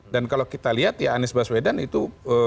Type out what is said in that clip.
dan kalau kita lihat ya anies baswedan itu